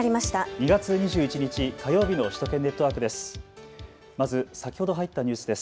２月２１日火曜日の首都圏ネットワークです。